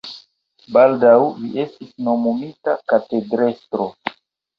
Baldaŭ li estis nomumita katedrestro.